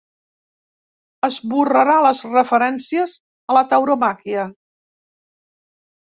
Esborrarà les referències a la tauromàquia.